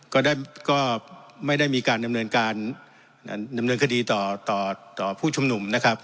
ก็ไม่ได้มีการดำเนินคดีต่อผู้ชุมนุมนะครับ